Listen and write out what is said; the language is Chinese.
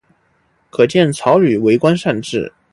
可见曹摅为官善治。